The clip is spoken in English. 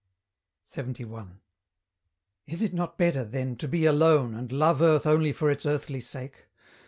LXXI. Is it not better, then, to be alone, And love Earth only for its earthly sake?